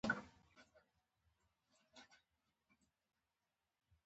د ابوجهل لا سترګي سرې دي